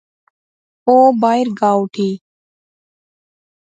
او باہر گا اوٹھی